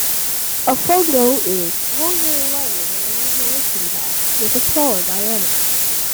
A fungo is longer and lighter than a regulation bat, with a smaller diameter.